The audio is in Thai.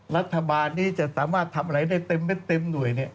รัฐบาลนี้จะสามารถทำอะไรได้เต็มเม็ดเต็มหน่วย